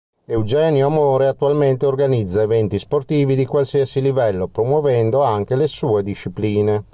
Eugenio Amore attualmente organizza eventi sportivi di qualsiasi livello promuovendo anche le sue discipline.